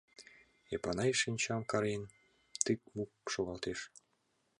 — Эпанай шинчам карен, тык-мук шогылтеш.